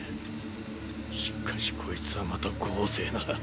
しかしこいつはまた豪勢な。